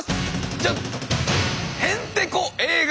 じゃん！